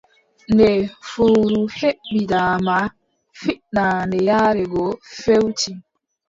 Nde fowru heɓi daama, fiɗaande yaare go feewti,